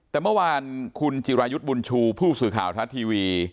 แต่เมื่อวานคุณจิรายุทธ์บุญชูผู้สื่อข่าวทัศน์ทีวี